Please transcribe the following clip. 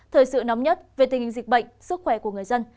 thời sự nóng nhất về tình hình dịch bệnh sức khỏe của người dân